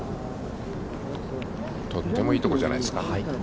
取ってもいいところじゃないですか。